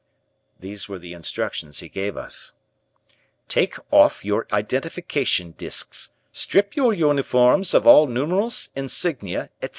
These were the instructions he gave us: "Take off your identification disks, strip your uniforms of all numerals, insignia, etc.